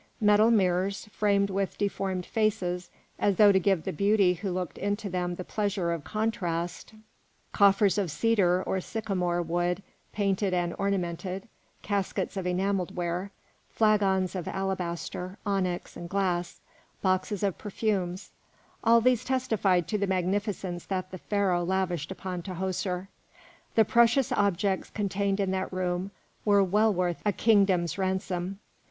Metal mirrors, framed with deformed faces, as though to give the beauty who looked into them the pleasure of contrast, coffers of cedar or sycamore wood painted and ornamented, caskets of enamelled ware, flagons of alabaster, onyx, and glass, boxes of perfumes, all these testified to the magnificence that the Pharaoh lavished upon Tahoser. The precious objects contained in that room were well worth a kingdom's ransom.